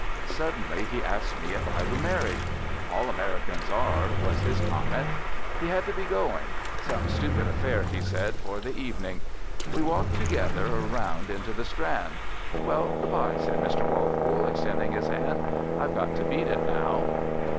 Suddenly he asked me if I were married. "All Americans are," was his comment. He had to be going. Some stupid affair, he said, for the evening. We walked together around into the Strand. "Well, good bye," said Mr. Walpole, extending his hand, "I've got to beat it now."